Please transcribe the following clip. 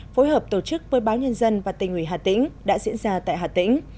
phối hợp tổ chức với báo nhân dân và tình ủy hà tĩnh đã diễn ra tại hà tĩnh